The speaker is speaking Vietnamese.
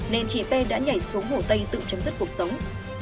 nên chị p đã nhảy xuống hồ tây tự chấm dứt cuộc sống